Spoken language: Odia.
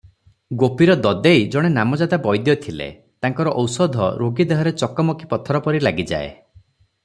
ଗୋପୀର ଦଦେଇ ଜଣେ ନାମଜାଦା ବୈଦ୍ୟ ଥିଲେ, ତାଙ୍କ ଔଷଧ ରୋଗୀ ଦେହରେ ଚକମକି ପଥରପରି ଲାଗିଯାଏ ।